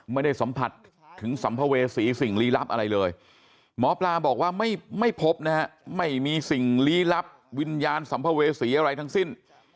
ไม่ได้สัมผัสถึงสัมภเวษีสิ่งลี้ลับอะไรเลยหมอปลาบอกว่าไม่พบนะฮะไม่มีสิ่งลี้ลับวิญญาณสัมภเวษีอะไรทั้งสิ้น